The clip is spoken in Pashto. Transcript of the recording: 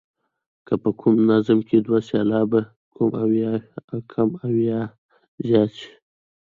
که په کوم نظم کې دوه سېلابه کم او یا زیات شي.